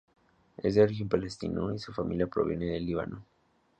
Es de origen palestino y su familia proviene del Líbano.